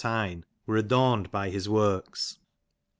upon Tyne, were adorned by his works.